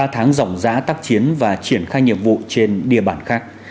ba tháng dòng dã tác chiến và triển khai nhiệm vụ trên địa bản khác